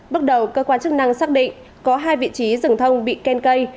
bước đầu cơ quan chức năng xác định có hai vị trí rừng thông bị khen cây